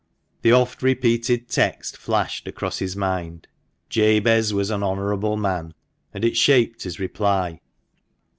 The oft repeated text flashed across his mind, "Jabez was an honourable man," and it shaped his reply.